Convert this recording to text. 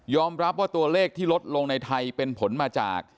รับว่าตัวเลขที่ลดลงในไทยเป็นผลมาจาก